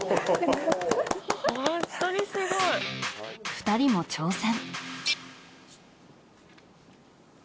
２人も挑戦。